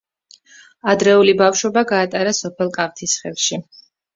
ადრეული ბავშვობა გაატარა სოფელ კავთისხევში.